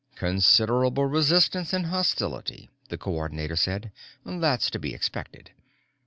"Considerable resistance and hostility," the Coordinator said. "That's to be expected.